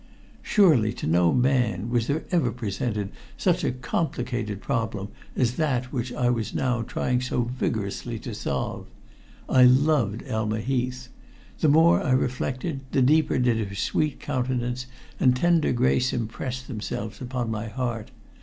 Surely to no man was there ever presented such a complicated problem as that which I was now trying so vigorously to solve. I loved Elma Heath. The more I reflected, the deeper did her sweet countenance and tender grace impress themselves upon my heart.